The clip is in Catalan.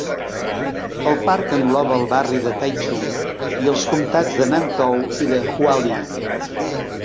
El parc engloba el barri de Taichung i els comtats de Nantou i de Hualien.